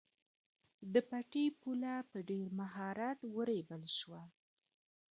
د پټي پوله په ډېر مهارت ورېبل شوه.